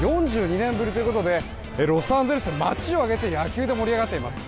４２年ぶりということでロサンゼルスは街を挙げて野球で盛り上がっています。